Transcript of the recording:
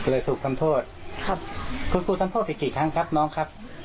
เลยถูกทำโทษครับคุณครูทำโทษไปกี่ครั้งครับน้องครับ